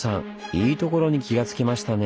いいところに気が付きましたね！